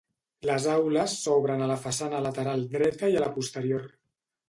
Les aules s'obren a la façana lateral dreta i a la posterior.